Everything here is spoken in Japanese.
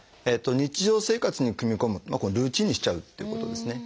日常生活に組み込むルーチンにしちゃうってことですね。